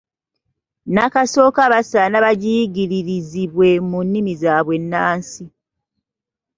Nnakasooka basaana bayigiririzibwe mu nnimi zaabwe ennansi.